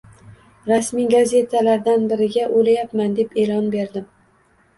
Rasmiy gazetalardan biriga o’layapman deb e’lon berdim.